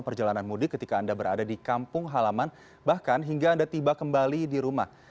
perjalanan mudik ketika anda berada di kampung halaman bahkan hingga anda tiba kembali di rumah